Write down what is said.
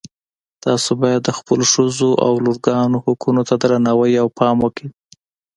تاسو باید د خپلو ښځو او لورګانو حقونو ته درناوی او پام وکړئ